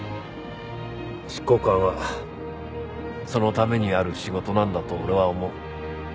執行官はそのためにある仕事なんだと俺は思う。